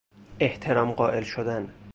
احترام قائل شدن